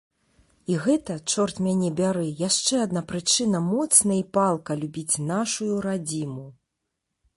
І гэта, чорт мяне бяры, яшчэ адна прычына моцна і палка любіць нашую радзіму!